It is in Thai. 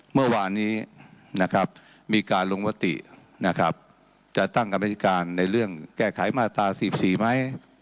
เมื่อวานนี้มีการลงวติจะตั้งกันยังไม้จิการในเรื่องแก้ไขมาตรา๑๔มั้ย